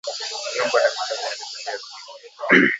Vyombo na vifaa vinavyohitajika kupikia